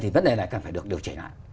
thì vấn đề lại cần phải được điều chỉnh lại